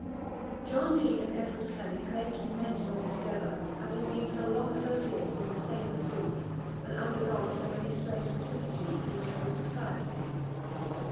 John Dee and Edward Kelly claim to be mentioned together, having been so long associated in the same pursuits, and undergone so many strange vicissitudes in each other's society.